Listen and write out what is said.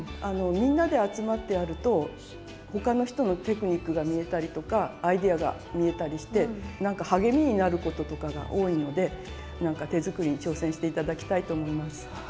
あのみんなで集まってやると他の人のテクニックが見えたりとかアイデアが見えたりしてなんか励みになることとかが多いので手作りに挑戦して頂きたいと思います。